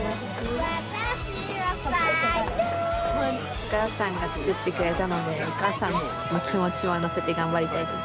お母さんが作ってくれたのでお母さんの気持ちも乗せて頑張りたいです。